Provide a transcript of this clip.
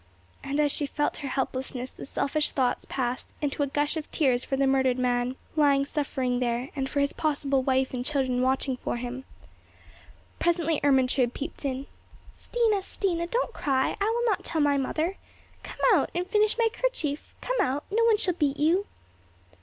And as she felt her helplessness, the selfish thoughts passed into a gush of tears for the murdered man, lying suffering there, and for his possible wife and children watching for him. Presently Ermentrude peeped in. "Stina, Stina, don't cry; I will not tell my mother! Come out, and finish my kerchief! Come out! No one shall beat you."